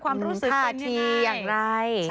ความรู้สึกนาทีอย่างไร